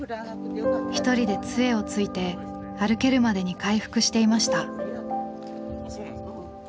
一人で杖をついて歩けるまでに回復していました。